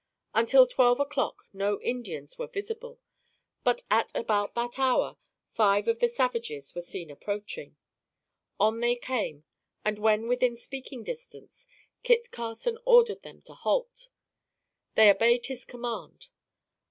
Until twelve o'clock no Indians were visible; but, at about that hour, five of the savages were seen approaching. On they came, and when within speaking distance, Kit Carson ordered them to halt. They obeyed his command.